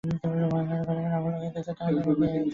যাহারা ঘরে আগুন লাগাইয়াছিল, এ ব্যক্তি তাহাদের মধ্যে একজন।